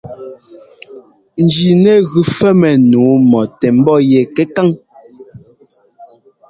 Jí nɛ gʉ fɛ́mmɛ nǔu mɔ tɛ ḿbɔ́ yɛ kɛkáŋ.